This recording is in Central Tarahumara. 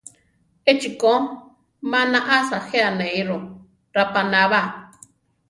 Échi ko, má naʼása, je anéiru: rapaná ba.